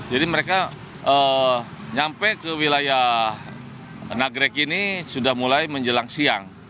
jadi mereka nyampe ke wilayah nagrek ini sudah mulai menjelang siang